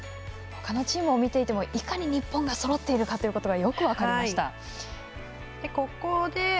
ほかのチームを見ていてもいかに日本チームがそろっているかということがよく分かりました。